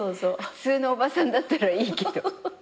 普通のおばさんだったらいいけど。